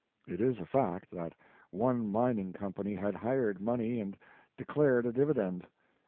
It is a fact that one mining company had hired money and declared a dividend.